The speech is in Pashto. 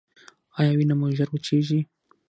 ایا وینه مو ژر وچیږي؟